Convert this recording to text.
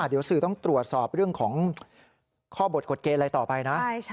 เดี๋ยวสื่อต้องตรวจสอบเรื่องของข้อบทกฎเกณฑ์อะไรต่อไปนะ